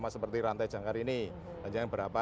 seperti rantai jangkar ini panjangnya berapa